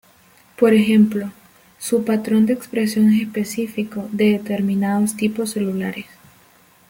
Por ejemplo, su patrón de expresión es específico de determinados tipos celulares.